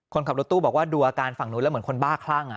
คนขับรถตู้บอกว่าดูอาการฝั่งนู้นแล้วเหมือนคนบ้าคลั่ง